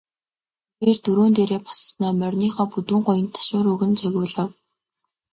Тэрээр дөрөөн дээрээ боссоноо мориныхоо бүдүүн гуянд ташуур өгөн цогиулав.